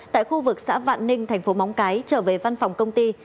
tại khu vực xã vạn ninh thành phố móng cái trở về văn phòng công ty